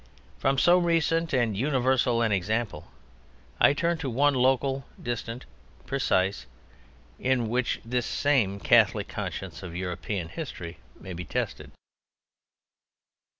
From so recent and universal an example I turn to one local, distant, precise, in which this same Catholic Conscience of European history may be tested.